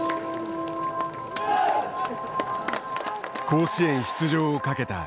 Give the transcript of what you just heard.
甲子園出場をかけた決勝。